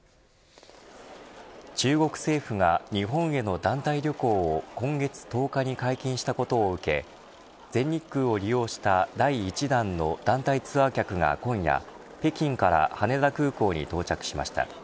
中国政府が日本への団体旅行を今月１０日に解禁したことを受け全日空を利用した第１弾の団体ツアー客が今夜北京から羽田空港に到着しました。